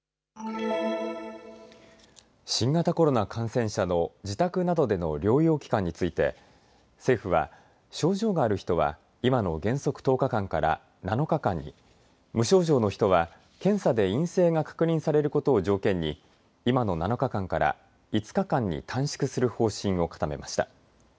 新型コロナ感染者の自宅などでの療養期間について、政府は症状がある人は今の原則１０日間から７日間に、無症状の人は検査で陰性が確認されることを条件に今の７日間から５日間に短縮する方針を固めました。